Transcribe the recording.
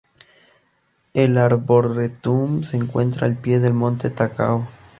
El arboretum se encuentra al pie del monte Takao.